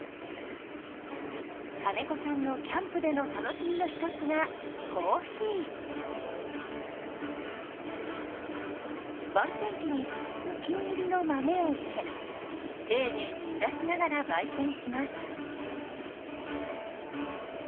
金子さんのキャンプでの楽しみの一つが焙煎器にお気に入りの豆を入れ丁寧に揺らしながら焙煎します。